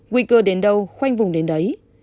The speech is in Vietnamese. quy cơ đến đâu khoanh vùng đến đấy